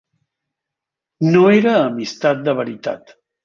No era amistat de veritat.